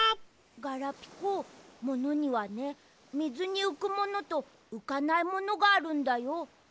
ガラピコものにはねみずにうくものとうかないものがあるんだよ。